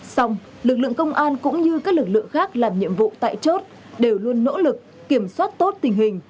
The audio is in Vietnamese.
xong lực lượng công an cũng như các lực lượng khác làm nhiệm vụ tại chốt đều luôn nỗ lực kiểm soát tốt tình hình